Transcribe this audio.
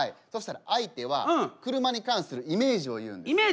そしたら相手は車に関するイメージを言うんです。